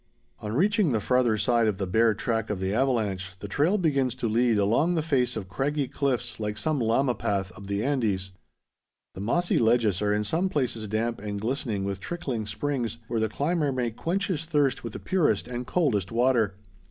On reaching the farther side of the bare track of the avalanche, the trail begins to lead along the face of craggy cliffs like some llama path of the Andes. The mossy ledges are in some places damp and glistening with trickling springs, where the climber may quench his thirst with the purest and coldest water.